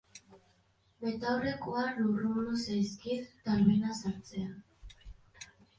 Betaurrekoak lurrundu zaizkit tabernan sartzean.